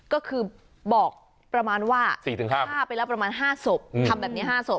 ก็คือบอกประมาณว่าฆ่าไปแล้วประมาณ๕ศพทำแบบนี้๕ศพ